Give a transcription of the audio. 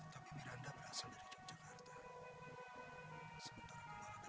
tapi viranda berasa lebih kecepat